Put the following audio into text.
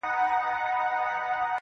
چي سُجده پکي، نور په ولاړه کيږي~